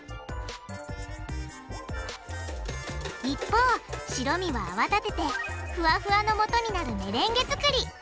一方白身は泡立ててふわふわのもとになるメレンゲ作り！